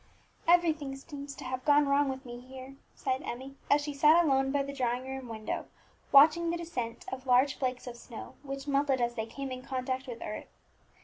"Everything seems to have gone wrong with me here!" sighed Emmie, as she sat alone by the drawing room window, watching the descent of large flakes of snow, which melted as they came in contact with earth.